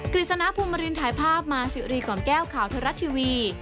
กริจนาภูมิมารินถ่ายภาพมาสิรีกว่ามแก้วข่าวเทอรัสทีวี